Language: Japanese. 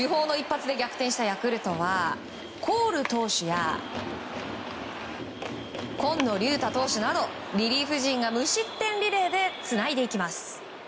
主砲の一発で逆転したヤクルトはコール投手や今野龍太投手など無失点リレーでつないでいきます。